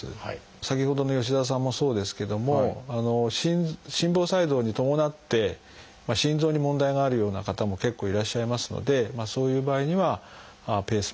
先ほどの吉澤さんもそうですけども心房細動に伴って心臓に問題があるような方も結構いらっしゃいますのでそういう場合にはペースメーカーを植え込むと。